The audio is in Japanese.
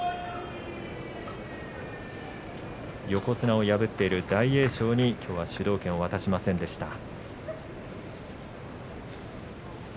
横綱を破っている大栄翔にきょうは主導権を渡しませんでした。